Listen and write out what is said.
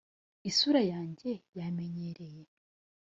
isura yanjye yamenyereye?